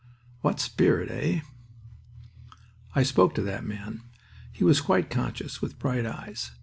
What spirit, eh?" I spoke to that man. He was quite conscious, with bright eyes.